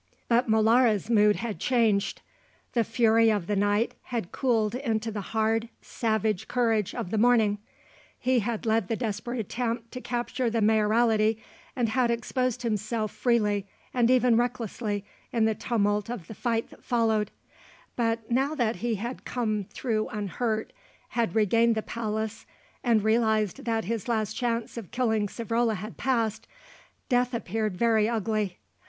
But Molara's mood had changed. The fury of the night had cooled into the hard, savage courage of the morning. He had led the desperate attempt to capture the Mayoralty, and had exposed himself freely and even recklessly in the tumult of the fight that followed; but now that he had come through unhurt, had regained the palace, and realised that his last chance of killing Savrola had passed, death appeared very ugly.